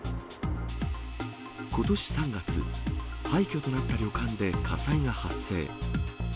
ことし３月、廃虚となった旅館で火災が発生。